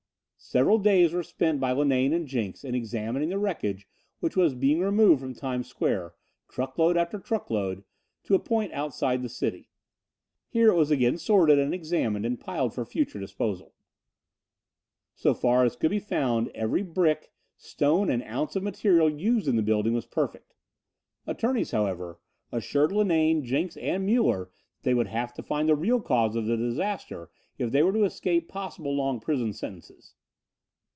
Several days were spent by Linane and Jenks in examining the wreckage which was being removed from Times Square, truckload after truckload, to a point outside the city. Here it was again sorted and examined and piled for future disposal. So far as could be found every brick, stone and ounce of material used in the building was perfect. Attorneys, however, assured Linane, Jenks and Muller that they would have to find the real cause of the disaster if they were to escape possible long prison sentences.